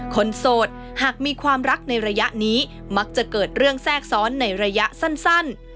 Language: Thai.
โสดหากมีความรักในระยะนี้มักจะเกิดเรื่องแทรกซ้อนในระยะสั้น